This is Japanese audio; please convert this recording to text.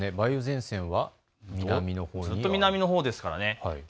梅雨前線はずっと南のほうですからね。